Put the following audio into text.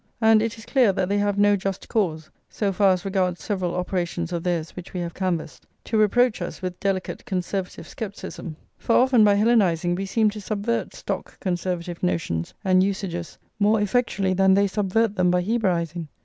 And it is clear that they have no just cause, so far as regards several operations of theirs which we have canvassed, to reproach us with delicate Conservative scepticism; for often by Hellenising we seem to subvert stock Conservative notions and usages more effectually than they subvert them by Hebraising.